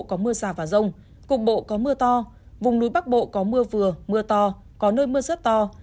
có mưa rào và rông cục bộ có mưa to vùng núi bắc bộ có mưa vừa mưa to có nơi mưa rất to